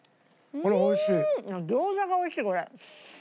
あっ餃子がおいしいこれ。